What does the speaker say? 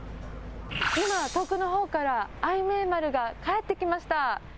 今、遠くのほうから愛明丸が帰ってきました。